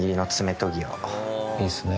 いいですね